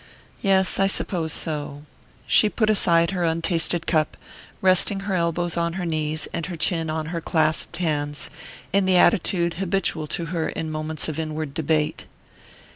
"Yes, I suppose so." She put aside her untasted cup, resting her elbows on her knees, and her chin on her clasped hands, in the attitude habitual to her in moments of inward debate.